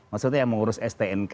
maksudnya yang mengurus stnk